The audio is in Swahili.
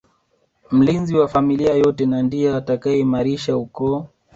Mlinzi wa familia yote na ndiye atakayeimarisha ukoo